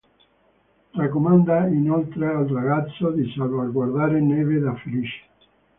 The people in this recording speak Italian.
Raccomanda inoltre al ragazzo di salvaguardare Neve da Felice.